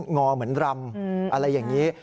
งอเหมือนรำอะไรอย่างนี้